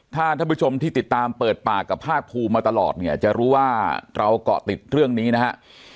ถ้าท่านผู้ชมที่ติดตามเปิดปากกับภาคภูมิมาตลอดเนี่ยจะรู้ว่าเราเกาะติดเรื่องนี้นะฮะ